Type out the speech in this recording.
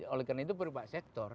oleh karena itu berbagai sektor